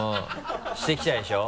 してきたでしょ？